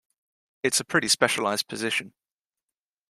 It's a pretty specialized position.